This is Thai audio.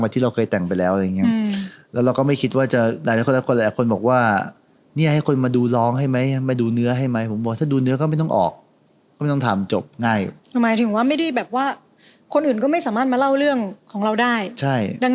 แต่ว่าส่วนใหญ่ไปเกิดขึ้นตอนหน้ามันจะ